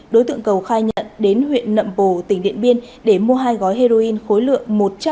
đối tượng cầu khai nhận đến huyện nậm bồ tỉnh điện biên để mua hai gói heroin khối lượng một trăm một mươi hai